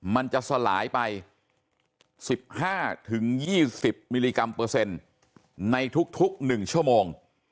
มันจะสลายไป๑๕๒๐มิลลิกรัมเปอร์เซ็นต์ในทุก๑ชั่วโมง